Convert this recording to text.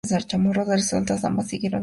De resultas, ambas siguieron en operación.